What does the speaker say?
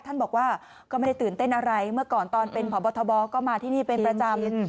ท่านบอกว่าก็ไม่ได้ตื่นเต้นอะไรเมื่อก่อนตอนเป็นพบทบก็มาที่นี่เป็นประจำ